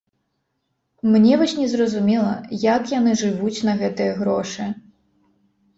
Мне вось незразумела, як яны жывуць на гэтыя грошы.